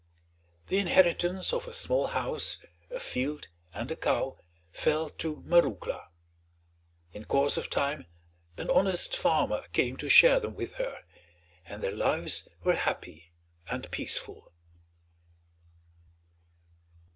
The inheritance of a small house, a field, and a cow fell to Marouckla. In course of time an honest farmer came to share them with her, and their lives were happy and peaceful.